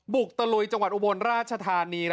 ตะลุยจังหวัดอุบลราชธานี